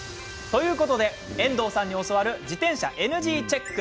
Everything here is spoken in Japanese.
ということで、遠藤さんに教わる自転車ＮＧチェック。